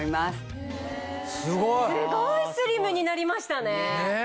すごいスリムになりましたね。